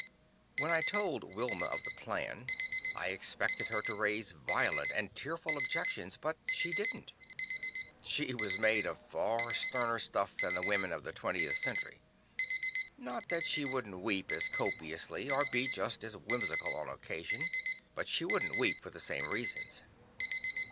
When I told Wilma of the plan, I expected her to raise violent and tearful objections, but she didn't. She was made of far sterner stuff than the women of the 20th Century. Not that she couldn't weep as copiously or be just as whimsical on occasion; but she wouldn't weep for the same reasons.